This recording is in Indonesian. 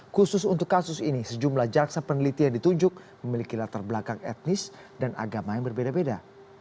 khusus untuk kasus ini sejumlah jaksa peneliti yang ditunjuk memiliki latar belakang etnis dan agama yang berbeda beda